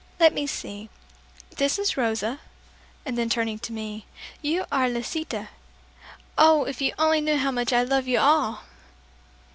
Let me see, this is Rosa," and then turning to me, "You are Lisita. Oh, if you only knew how much I love you all!"